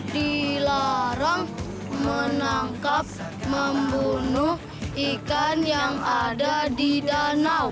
dilarang menangkap membunuh ikan yang ada di danau